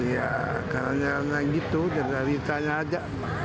iya karena gitu dari tanya aja